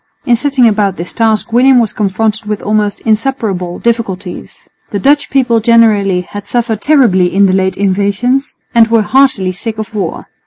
In setting about this task William was confronted with almost insuperable difficulties. The Dutch people generally had suffered terribly in the late invasions and were heartily sick of war.